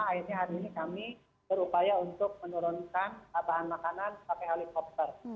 akhirnya hari ini kami berupaya untuk menurunkan bahan makanan pakai helikopter